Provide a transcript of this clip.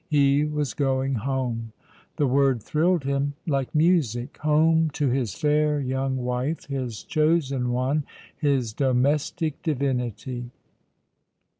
He was going home. The word thrilled him like music ; home to his fair young wife, his chosen one, his domestic divinity.